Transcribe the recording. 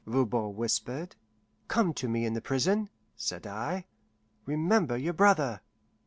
Voban whispered. "Come to me in the prison," said I. "Remember your brother!"